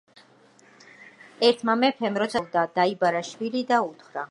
ერთმა მეფემ, როცა სიკვდილის დრო მოუახლოვდა, დაიბარა შვილი და უთხრა: